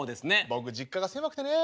僕実家が狭くてね。